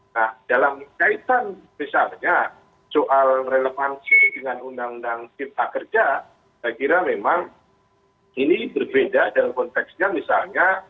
nah dalam kaitan misalnya soal relevansi dengan undang undang cipta kerja saya kira memang ini berbeda dalam konteksnya misalnya